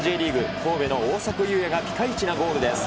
神戸の大迫勇也がピカイチなゴールです。